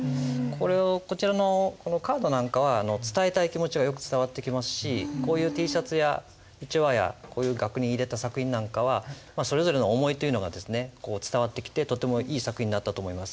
こちらのカードなんかは伝えたい気持ちがよく伝わってきますしこういうＴシャツやうちわや額に入れた作品なんかはそれぞれの思いというのがですね伝わってきてとってもいい作品になったと思います。